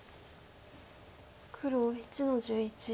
黒１の十一。